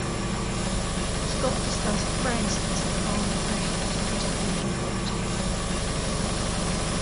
Scott discussed Franzen's, calm, passionate critical authority.